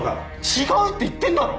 違うって言ってんだろ！